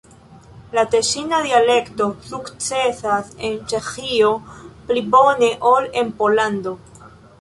La teŝina dialekto sukcesas en Ĉeĥio pli bone ol en Pollando.